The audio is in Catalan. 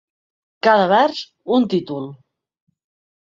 Cada vers, un títol.